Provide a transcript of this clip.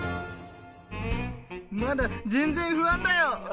まだ全然不安だよ！